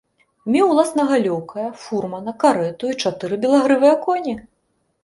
Меў уласнага лёкая, фурмана, карэту і чатыры белагрывыя коні.